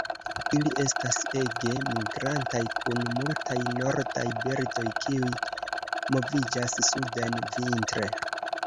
Ili estas ege migrantaj, kun multaj nordaj birdoj kiuj moviĝas suden vintre.